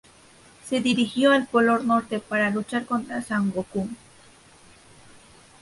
Se dirigió al Polo Norte para luchar contra Son Goku.